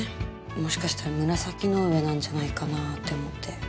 もしかしたら紫の上なんじゃないかなって思って。